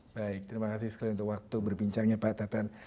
baik terima kasih sekali untuk waktu berbincangnya pak teten